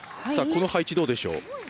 この配置、どうでしょう。